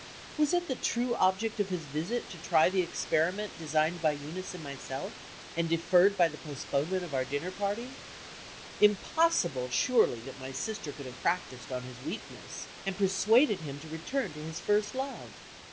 Was it the true object of his visit to try the experiment designed by Eunice and himself, and deferred by the postponement of our dinner party? Impossible surely that my sister could have practiced on his weakness, and persuaded him to return to his first love!